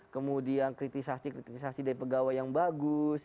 kemudian kritisasi kritisasi dari pegawai yang bagus